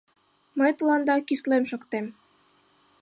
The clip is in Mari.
Мый тыланда кӱслем шоктем.